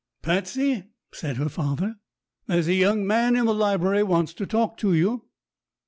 "Patsey," said her father, "there's a young man in the library wants to talk to you."